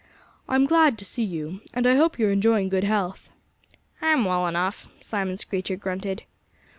"I'm glad to see you. And I hope you're enjoying good health." "I'm well enough," Simon Screecher grunted.